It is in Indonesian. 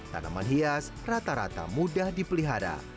tanaman hias rata rata mudah dipelihara